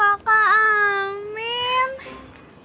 aneh mana itu si